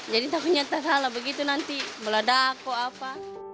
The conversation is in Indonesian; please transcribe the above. jadi takutnya tak salah begitu nanti meledak kok apa